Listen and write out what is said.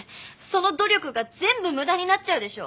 その努力が全部無駄になっちゃうでしょう！？